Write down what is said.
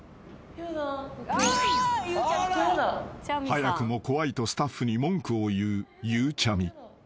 ［早くも怖いとスタッフに文句を言う］